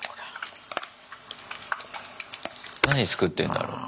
何作ってんだろう。